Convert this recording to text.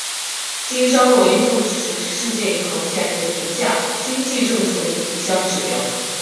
经商容易度指数是世界银行建立的评价经济政策的一项指标。